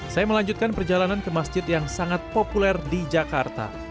saya melanjutkan perjalanan ke masjid yang sangat populer di jakarta